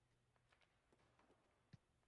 Sizlar unga yomonlik qila olmaysiz.